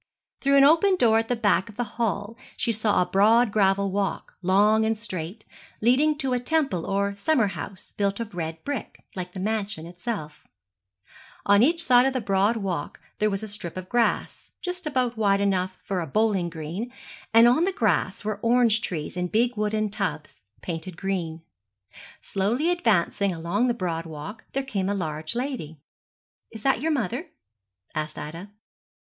Through an open door at the back of the hall she saw a broad gravel walk, long and straight, leading to a temple or summer house built of red brick, like the mansion itself. On each side of the broad walk there was a strip of grass, just about wide enough for a bowling green, and on the grass were orange trees in big wooden tubs, painted green. Slowly advancing along the broad walk there came a large lady. 'Is that you mother?' asked Ida.